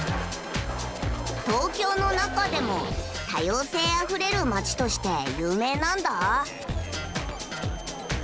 東京の中でも多様性あふれる街として有名なんだ。